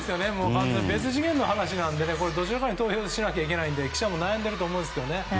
完全に別次元の話なのでどちらかに投票しないといけないので記者も悩んでいると思います。